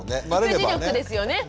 育児力ですよね。